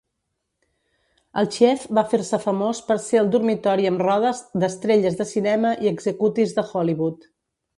El "Chief" va fer-se famós per ser el "dormitori amb rodes" d'estrelles de cinema i executis de Hollywood.